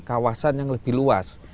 kawasan yang lebih luas